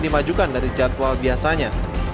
dimajukan dari jadwal biasanya